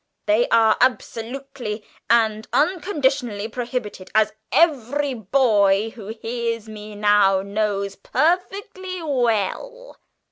They are absolutely and unconditionally prohibited as every boy who hears me now knows perfectly well!